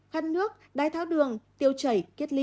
khăn nước đai tháo đường teo chảy kiết lị